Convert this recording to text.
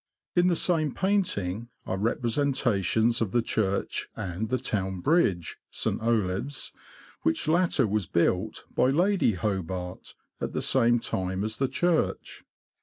In the same painting are representations of the church and the town bridge (St. Olave's), which latter was built, by Lady Hobart, at the same time as the church.